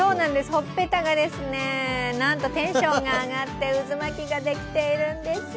ほっぺたがテンションが上がって渦巻きができているんです。